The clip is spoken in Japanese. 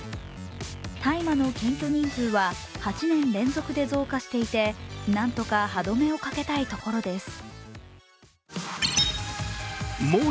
大麻の検挙人数は８年連続で増加していて何とか歯止めをかけたいところです。